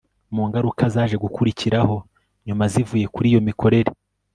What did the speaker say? mu ngaruka zaje gukurikiraho nyuma zivuye kuri iyo mikorere